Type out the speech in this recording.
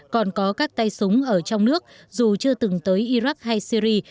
còn có các tay súng ở trong nước dù chưa từng tới iraq hay syri